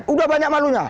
udah banyak malunya